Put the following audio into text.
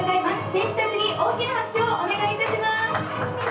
選手たちに大きな拍手をお願いいたします。